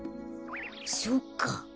そっか。